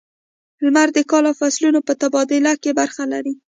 • لمر د کال او فصلونو په تبادله کې برخه لري.